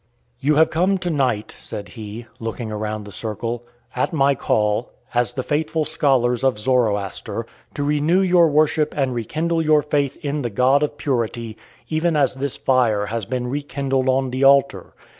"You have come to night," said he, looking around the circle, "at my call, as the faithful scholars of Zoroaster, to renew your worship and rekindle your faith in the God of Purity, even as this fire has been rekindled on the altar.